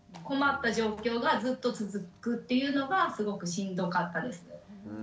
困った状況がずっと続くというのがすごくしんどかったですね。